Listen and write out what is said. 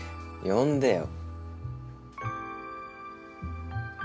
呼んでよ。